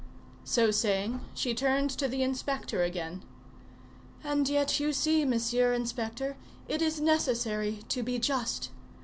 So saying, she turned to the inspector again:— "And yet, you see, Mr. Inspector, it is necessary to be just.